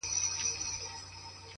دوه زړونه په سترگو کي راگير سوله”